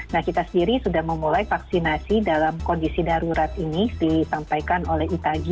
nah kita sendiri sudah memulai vaksinasi dalam kondisi darurat ini disampaikan oleh itagi